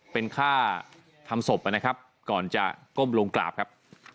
เป็นค่าทำศพนะครับก่อนจะก้มลงกราบครับ